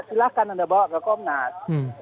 silahkan anda bawa ke komnas